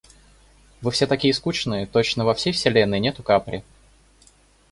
Вы все такие скучные, точно во всей вселенной нету Капри.